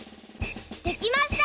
できました！